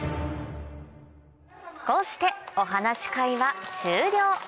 こうしてお話し会は終了